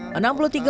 kejadian pagi ini